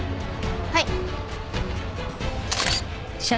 はい。